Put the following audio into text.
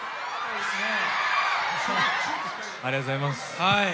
ありがとうございます。